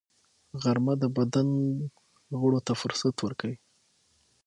غرمه د بدن غړو ته فرصت ورکوي